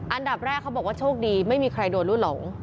อันดับแรกเขาบอกว่าโชคดีไม่มีใครโดนลูกหลง